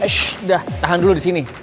eh udah tahan dulu di sini